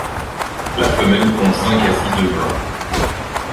La femelle pond cinq à six œufs blancs.